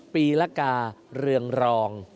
ปีละกาศาสตร์เรืองรอง